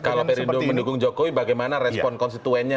kalau perindo mendukung jokowi bagaimana respon konstituennya